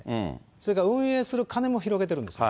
それから運営する金も広げてるんですね。